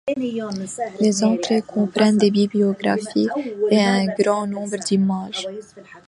Les entrées comprennent des bibliographies et un grand nombre d'images.